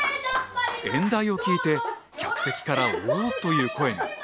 演題を聞いて客席から「お！」という声が。